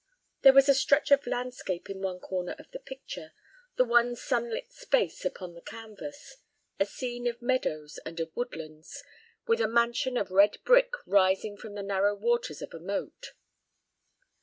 There was a stretch of landscape in one corner of the picture, the one sunlit space upon the canvas, a scene of meadows and of woodlands, with a mansion of red brick rising from the narrow waters of a moat.